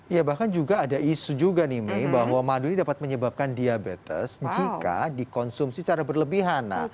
ya bahkan juga ada isu juga nih may bahwa madu ini dapat menyebabkan diabetes jika dikonsumsi secara berlebihan